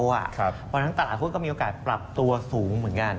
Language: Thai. เพราะฉะนั้นตลาดหุ้นก็มีโอกาสปรับตัวสูงเหมือนกัน